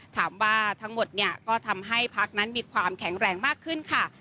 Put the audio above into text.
ถามว่าทั้งหมดเนี่ยก็ทำให้พักนั้นมีความแข็งแรงมากขึ้นค่ะ